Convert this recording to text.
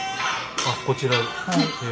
あっこちらへえ。